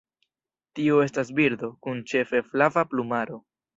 Tiu estas birdo, kun ĉefe flava plumaro.